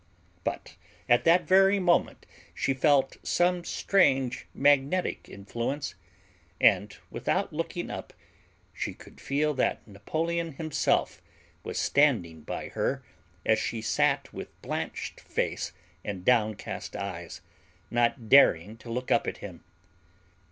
But at that very moment she felt some strange magnetic influence; and without looking up she could feel that Napoleon himself was standing by her as she sat with blanched face and downcast eyes, not daring to look up at him.